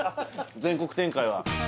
全国展開は？